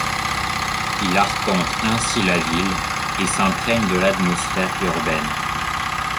Il arpente ainsi la ville et s'imprègne de l'atmosphère urbaine.